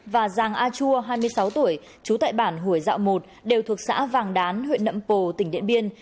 và giàng a chua hai mươi sáu tuổi trú tại bản hủy dạo một đều thuộc xã vàng đán huyện nậm pồ tỉnh điện biên